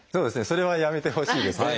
それはやめてほしいですね。